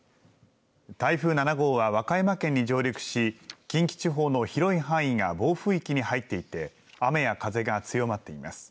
台風７号は和歌山県に上陸し近畿地方の広い範囲が暴風域に入っていて雨や風が強まっています。